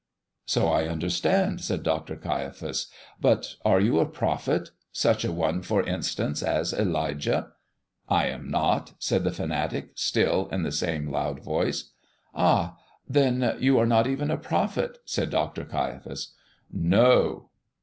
"So I understand," said Dr. Caiaphas. "But are you a prophet such a one, for instance, as Elijah?" "I am not," said the fanatic, still in the same loud voice. "Ah! Then you are not even a prophet?" said Dr. Caiaphas. "No."